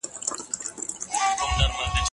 هغوی په صنف کي نوې تجربې کوي.